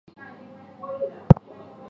食蟹獴包括以下亚种